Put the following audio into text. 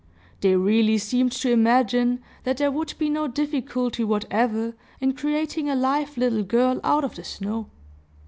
They really seemed to imagine that there would be no difficulty whatever in creating a live little girl out of the snow.